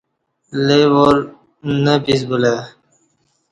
لے وار نہ پِس بُلہ ای